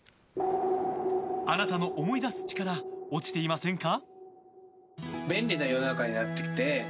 あなたの思い出す力落ちていませんか？